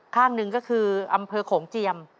ข้างหนึ่งก็คืออำเภอโขงเจียม